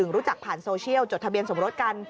รู้จักผ่านโซเชียลจดทะเบียนสมรสกัน